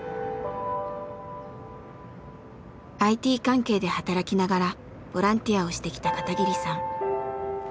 ＩＴ関係で働きながらボランティアをしてきた片桐さん。